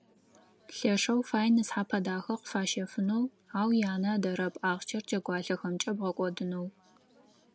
Лъэшэу фай нысхъапэ дахэ къыфащэфынэу, ау янэ ыдэрэп ахъщэр джэгуалъэхэмкӏэ бгъэкӏодынэу.